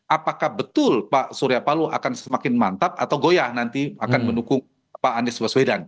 apakah betul pak surya paloh akan semakin mantap atau goyah nanti akan mendukung pak anies baswedan